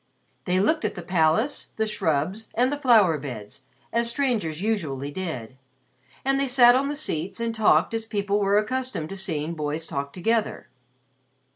They looked at the palace, the shrubs, and the flower beds, as strangers usually did, and they sat on the seats and talked as people were accustomed to seeing boys talk together.